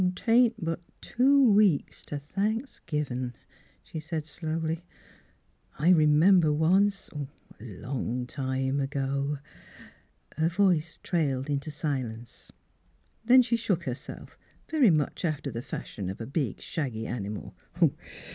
"'Tain't but two weeks t' Thanks givin'," she said slowly. " I remember once — a long time ago —" Her voice trailed into silence. Then she shook herself, very much after the fashion of a big shaggy animal.